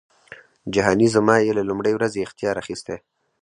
جهانی زما یې له لومړۍ ورځی اختیار اخیستی